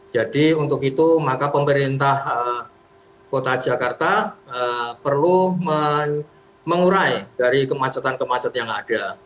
jadi untuk itu maka pemerintah kota jakarta perlu mengurai dari kemacetan kemacet yang ada